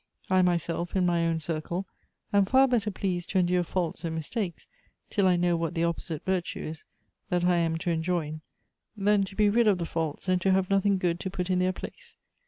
I myself, in my own circle, am far bettor pleased to endure faults and mistakes, till I know what the opposite virtue is that I am to enjoin, than to be vid of the faults and to have nothing good to put in their place.